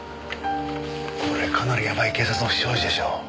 これかなりやばい警察の不祥事でしょ。